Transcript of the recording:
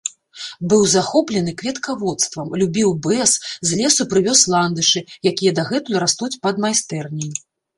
Быў захоплены кветкаводствам, любіў бэз, з лесу прывёз ландышы, якія дагэтуль растуць пад майстэрняй.